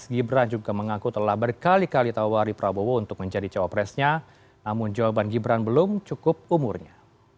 gibran juga mengaku telah berkali kali tawari prabowo untuk menjadi cawapresnya namun jawaban gibran belum cukup umurnya